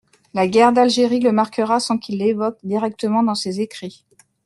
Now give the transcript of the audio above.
La guerre d'Algerie le marquera sans qu'il l'evoque directement dans ses écrits.